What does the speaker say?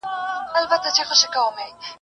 د خپل وطن ګیدړه د بل وطن تر زمري ښه ده ..